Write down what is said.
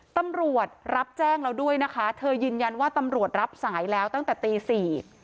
ตำรวจรับแจ้งแล้วด้วยนะคะเธอยืนยันว่าตำรวจรับสายแล้วตั้งแต่ตีสี่